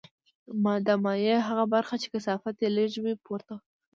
د مایع هغه برخه چې کثافت یې لږ وي پورته ځي.